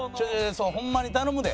そうホンマに頼むで。